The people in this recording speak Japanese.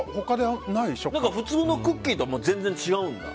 普通のクッキーとも全然違うんだ？